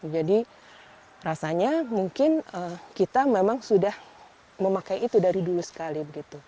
jadi rasanya mungkin kita memang sudah memakai itu dari dulu sekali